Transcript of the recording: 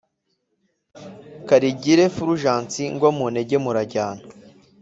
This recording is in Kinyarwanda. karegire fulgence ngwa muntege murajyana !